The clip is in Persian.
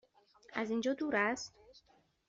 از اینجا دور است؟